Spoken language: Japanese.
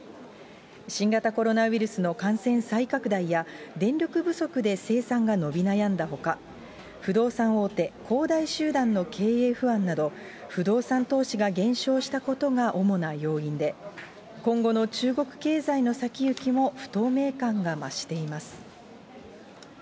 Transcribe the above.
新型コロナウイルスの感染再拡大や、電力不足で生産が伸び悩んだほか、不動産大手、恒大集団の経営不安など、不動産投資が減少したことが主な要因で、今後の中国経済の先行きも不透明感が増しています。